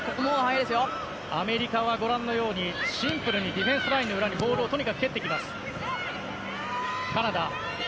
アメリカはご覧のように、シンプルにディフェンスラインにボールをとにかく蹴ってきます。